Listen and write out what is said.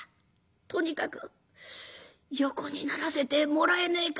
とにかく横にならせてもらえねえか」。